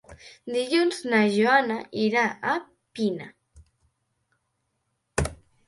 Dilluns na Joana irà a Pina.